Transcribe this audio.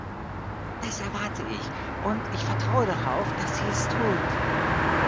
Das erwarte ich und ich vertraue darauf, dass sie es tut.